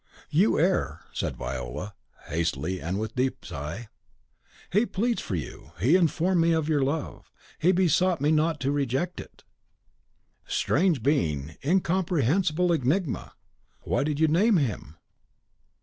"You err," said Viola, hastily, and with a deep sigh; "he pleads for you: he informed me of your love; he besought me not not to reject it." "Strange being! incomprehensible enigma! Why did you name him?"